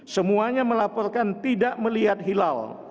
semuanya melaporkan tidak melihat hilal